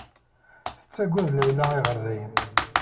Tettagad Layla iɣerdayen.